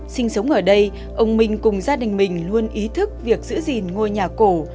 sinh sống ở đây ông minh cùng gia đình mình luôn ý thức việc giữ gìn ngôi nhà cổ